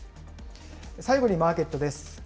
最後にマーケットです。